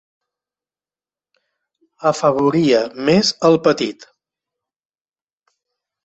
Afavoria més el petit.